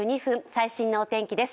最新のお天気です。